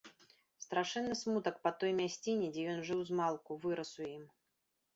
Страшэнны смутак па той мясціне, дзе ён жыў змалку, вырас у ім.